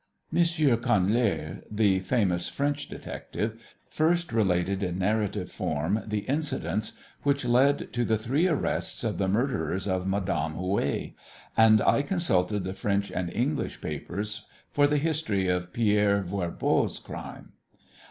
M. Canler, the famous French detective, first related in narrative form the incidents which lead to the three arrests of the murderers of Madame Houet, and I consulted the French and English papers for the history of Pierre Voirbo's crime.